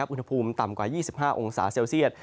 อุณหภูมิต่ำกว่า๒๕องศาเซลเซียต